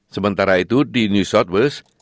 sementara itu di new south wales